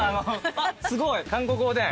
すごい韓国おでん。